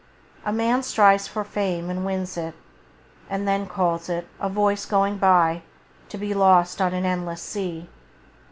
A man strives for fame and wins it; and then he calls it: "A voice going by, to be lost on an endless sea".